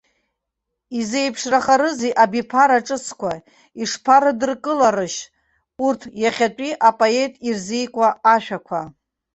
Изеиԥшрахарызеи абиԥара ҿыцқәа, ишԥарыдыркыларишь урҭ иахьатәи апоет ирзикуа ашәақәа?